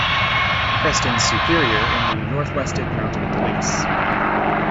Preston's superior in the North-West Mounted Police.